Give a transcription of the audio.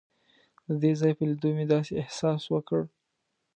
د دې ځای په لیدو مې داسې احساس وکړ.